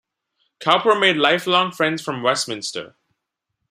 Cowper made lifelong friends from Westminster.